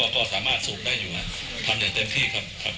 ก็สามารถสูบได้อยู่ทำอย่างเต็มที่ครับ